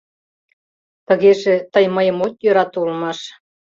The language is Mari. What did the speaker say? Тыгеже, тый мыйым от йӧрате улмаш.